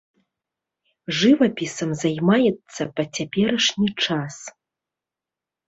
Жывапісам займаецца па цяперашні час.